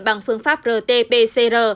bằng phương pháp rt pcr